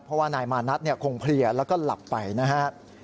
เพราะว่านายมานัทคงเพลียแล้วก็หลับไปนะครับ